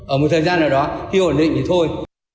ở một thời gian nào đó khi ổn định thì thôi